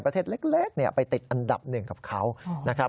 ประเทศเล็กไปติดอันดับหนึ่งกับเขานะครับ